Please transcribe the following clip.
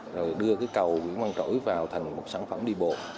rồi đưa cái cầu nguyễn văn trỗi vào thành một sản phẩm đi bộ